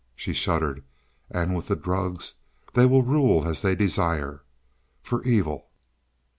She shuddered. "And with the drugs they will rule as they desire for evil."